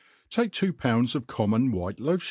TAKE two pounds of common white loaf.